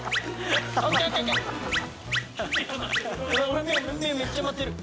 俺目めっちゃ回ってる。